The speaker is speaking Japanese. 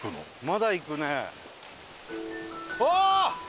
まだ行くね。